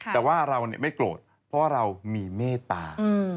แต่ว่าเราไม่โกรธเพราะว่าเรามีเมตตา